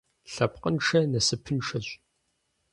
Лъэпкъыншэ насыпыншэщ.